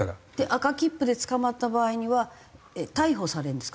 赤切符で捕まった場合には逮捕されるんですか？